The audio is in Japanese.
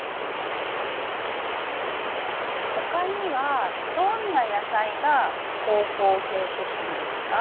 他にはどんな野菜が好光性種子なんですか？